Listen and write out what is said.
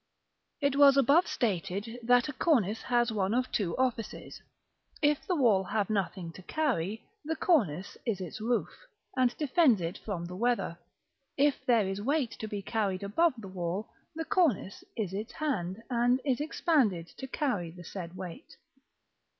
It was above stated, that a cornice has one of two offices: if the wall have nothing to carry, the cornice is its roof, and defends it from the weather; if there is weight to be carried above the wall, the cornice is its hand, and is expanded to carry the said weight.